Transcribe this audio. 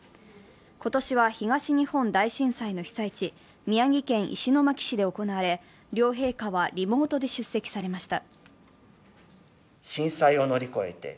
今年は、東日本大震災の被災地、宮城県石巻市で行われ、両陛下はリモートで出席されました。